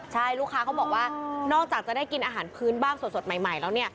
ใช่ลูกค้าเขาบอกว่านอกจากจะได้กินอาหารพื้นบ้างสดใหม่แล้ว